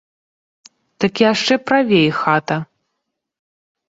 Дык яшчэ правей хата.